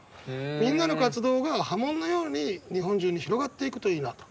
みんなの活動が波紋のように日本中に広がっていくといいなと。